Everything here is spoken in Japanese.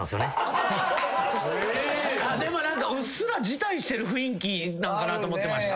でもうっすら辞退してる雰囲気なんかなと思ってました。